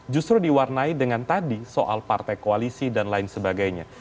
justru diwarnai dengan tadi soal partai koalisi dan lain sebagainya